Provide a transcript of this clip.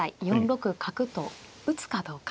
４六角と打つかどうか。